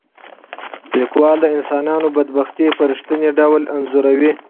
لیکوال د انسانانو بدبختي په رښتیني ډول انځوروي.